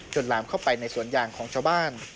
หลามเข้าไปในสวนยางของชาวบ้าน